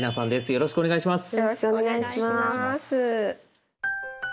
よろしくお願いします。